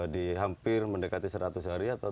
di hampir mendekati seratus hari atau